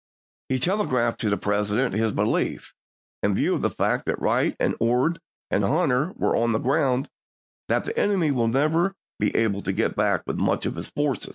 He telegraphed to the President his belief, in view of the fact that Wright and Ord and Hunter were on the ground, that " the enemy will never be able to Grant .^ to Lincoln, get back with much of his force."